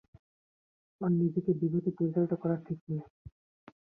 ওর নিজেকে বিপথে পরিচালিত করা ঠিক নয়।